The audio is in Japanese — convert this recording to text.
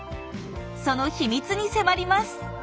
そのヒミツに迫ります。